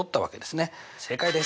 正解です。